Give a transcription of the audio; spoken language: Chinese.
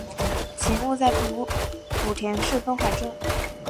其墓在莆田市东海镇。